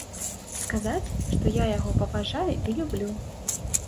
Сказаць, што я яго паважаю і люблю.